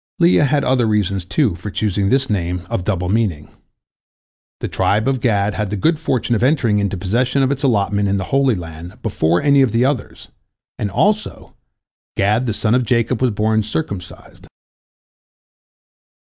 Leah had other reasons, too, for choosing this name of double meaning. The tribe of Gad had the good fortune of entering into possession of its allotment in the Holy Land before any of the others, and, also, Gad the son of Jacob was born circumcised.